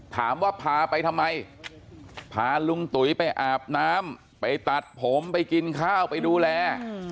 ถามว่าพาไปทำไมพาลุงตุ๋ยไปอาบน้ำไปตัดผมไปกินข้าวไปดูแล